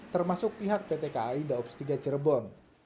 termasuk pihak pt kai daops tiga cirebon